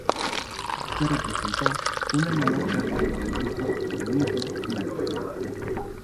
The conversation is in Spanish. Se representó un año más tarde por el grupo "El Mirlo Blanco".